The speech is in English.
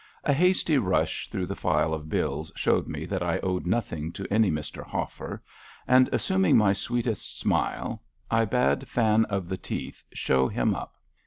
A hasty rush through the file of bills showed me that I owed nothing to any Mr. Hoffer, and assuming my sweetest smile, I bade Fan of the Teeth show him up.